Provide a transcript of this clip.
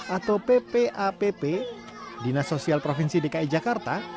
atau ppapp dinas sosial provinsi dki jakarta